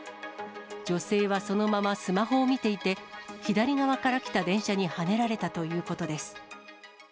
女性はそのままスマホを見ていて、左側から来た電車にはねられたということです。